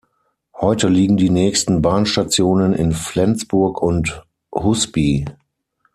Heute liegen die nächsten Bahnstationen in Flensburg und Husby.